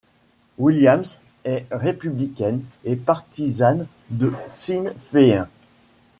Williams est républicaine et partisane du Sinn Féin.